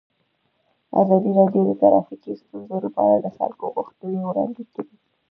ازادي راډیو د ټرافیکي ستونزې لپاره د خلکو غوښتنې وړاندې کړي.